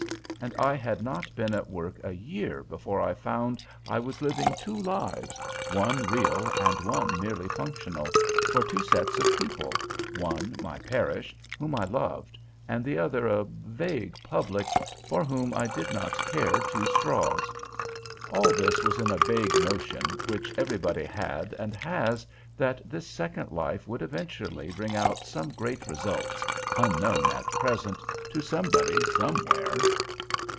And I had not been at work a year before I found I was living two lives, one real and one merely functional—for two sets of people, one my parish, whom I loved, and the other a vague public, for whom I did not care two straws. All this was in a vague notion, which everybody had and has, that this second life would eventually bring out some great results, unknown at present, to somebody somewhere.